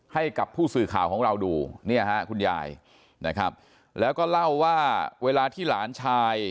ให้กับผู้สื่อข่าวของเราดูเนี่ยฮะคุณยายนะครับแล้วก็เล่าว่าเวลาที่หลานชาย